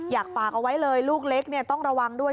อยากฝากเอาไว้เลยลูกเล็กต้องระวังด้วย